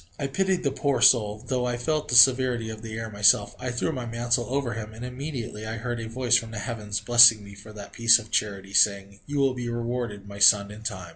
I pitied the poor soul; though I felt the severity of the air myself, I threw my mantle over him, and immediately I heard a voice from the heavens, blessing me for that piece of charity, saying: "You will be rewarded, my son, in time."